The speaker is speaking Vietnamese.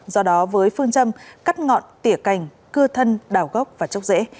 do đó với phương châm cắt ngọn tỉa cành cưa thân đào gốc và chốc rễ